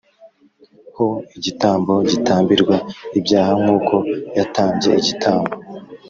Ho igitambo gitambirwa ibyaha nk uko yatambye igitambo